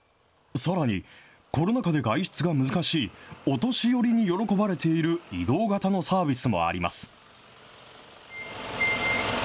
さらに、コロナ禍で外出が難しい、お年寄りに喜ばれている移動型のサービスもあります。